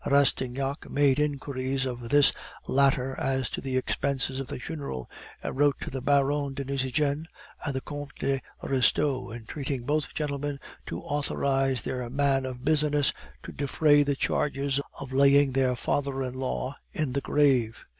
Rastignac made inquiries of this latter as to the expenses of the funeral, and wrote to the Baron de Nucingen and the Comte de Restaud, entreating both gentlemen to authorize their man of business to defray the charges of laying their father in law in the grave.